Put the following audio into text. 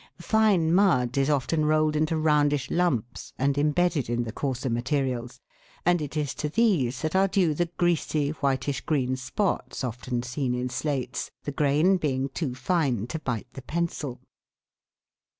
Fine mud is often rolled into roundish lumps and em bedded in the coarser materials, and it is to these that are due the greasy whitish green spots often seen in slates, the grain being too fine to bite the pencil.